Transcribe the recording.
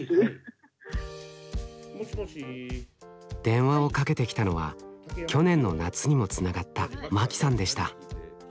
電話をかけてきたのは去年の夏にもつながったまきさんでした。